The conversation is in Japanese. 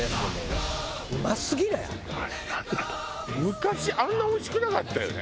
昔あんなおいしくなかったよね？